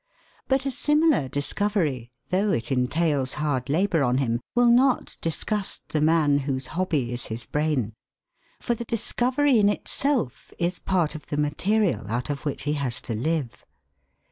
But a similar discovery, though it entails hard labour on him, will not disgust the man whose hobby is his brain. For the discovery in itself is part of the material out of which he has to live.